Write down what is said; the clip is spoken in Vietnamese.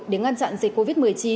để ngăn chặn dịch covid một mươi chín